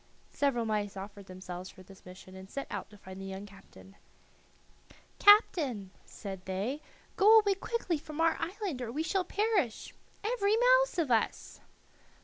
Several mice offered themselves for this mission and set out to find the young captain. "Captain," said they, "go away quickly from our island, or we shall perish, every mouse of us."